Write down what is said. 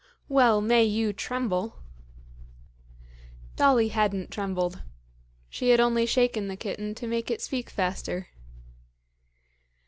"Well may you tremble!" Dolly hadn't trembled. She had only shaken the kitten to make it speak faster.